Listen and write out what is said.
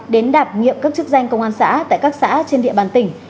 đến đạp nhiệm các chức danh công an xã tại các xã trên địa bàn tỉnh